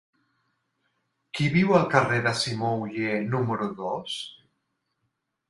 Qui viu al carrer de Simó Oller número dos?